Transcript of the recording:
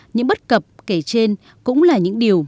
những bất cập kể trên cũng là những điều